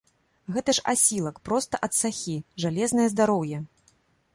Гэта ж асілак, проста ад сахі, жалезнае здароўе.